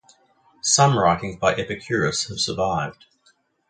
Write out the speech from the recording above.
Some writings by Epicurus have survived.